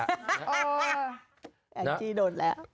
แองจี้โดนแล้ว